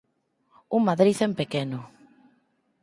Un Madrid en pequeno